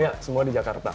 iya semua di jakarta